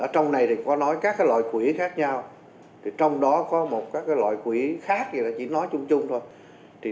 trong này có nói các loại quỹ khác nhau trong đó có một loại quỹ khác chỉ nói chung chung thôi